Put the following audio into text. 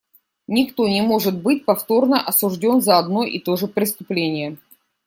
Никто не может быть повторно осужден за одно и то же преступление.